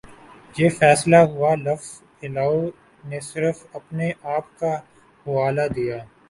یہ فیصلہ ہوا لفظ پھیلاؤ نے صرف اپنے آپ کا حوالہ دیا